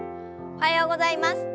おはようございます。